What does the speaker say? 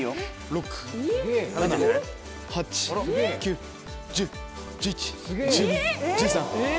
６・７・８９・１０・１１１２・１３・１４。